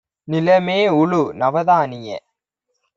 நிலமேஉழு! நவதானிய